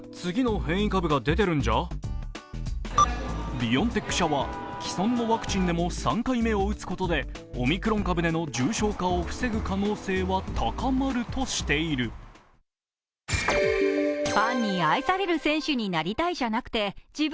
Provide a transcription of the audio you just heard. ビオンテック社は既存のワクチンでも３回目を打つことでオミクロン株での重症化を防ぐ可能性は高まるとしている。